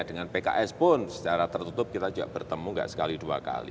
dengan pks pun secara tertutup kita juga bertemu gak sekali dua kali